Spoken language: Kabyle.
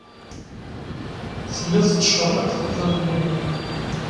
Telliḍ tettcerriqeḍ iɣallen-nnem.